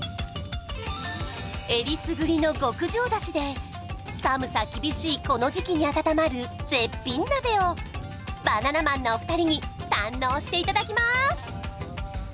えりすぐりの極上出汁で寒さ厳しいこの時期に温まる絶品鍋をバナナマンのお二人に堪能していただきます！